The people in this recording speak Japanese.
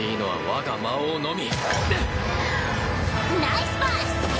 ナイスパス！